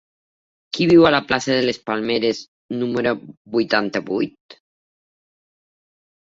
Qui viu a la plaça de les Palmeres número vuitanta-vuit?